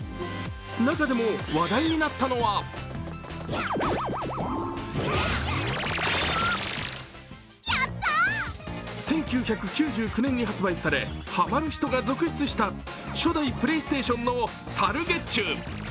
中でも話題になったのが１９９９年に発売されはまる人が続出した初代プレイステーションの「サルゲッチュ」。